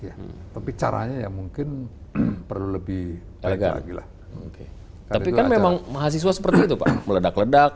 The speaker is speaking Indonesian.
ya tapi caranya yang mungkin perlu lebih agak gila tapi memang mahasiswa seperti itu meledak ledak